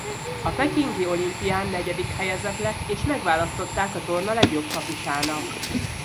A pekingi olimpián negyedik helyezett lett és megválasztották a torna legjobb kapusának.